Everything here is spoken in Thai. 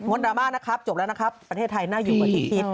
โอนโดรมานะครับจบแล้วนะครับประเทศไทยน่าอยู่เมื่อคิด